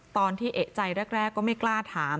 ตอนที่เอกใจแรกก็ไม่กล้าถาม